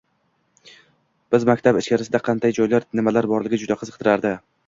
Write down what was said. Bizni maktab ichkarisida qanday joylar, nimalar borligi juda qiziqtirardi